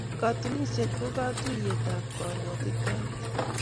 Katunisyet ko katuiyetab karwotitoet.